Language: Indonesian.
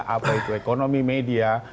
apa itu ekonomi media